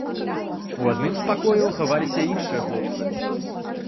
У адным з пакояў хаваліся іншыя хлопцы.